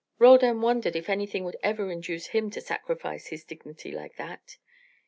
Roldan wondered if anything would ever induce him to sacrifice his dignity like that.